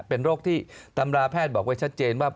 เป็นโรคที่ตำราแพทย์บอกไว้ชัดเจนว่า